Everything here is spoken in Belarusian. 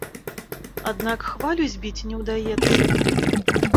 Аднак хвалю збіць не ўдаецца.